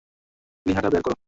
প্লীহাটা বের করো।